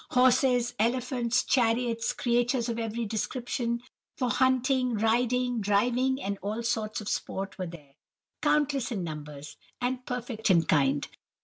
Horses, elephants, chariots, creatures of every description, for hunting, riding, driving, and all sorts of sport were there, countless in numbers, and perfect in kind.